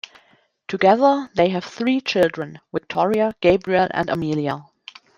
Together, they have three children: Victoria, Gabriel and Amelia.